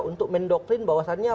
untuk mendoktrin bahwasannya